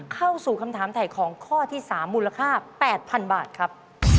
เข้าสู่คำถามถ่ายของข้อที่๓มูลค่า๘๐๐๐บาทครับ